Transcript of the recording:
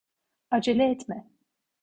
Acele etme.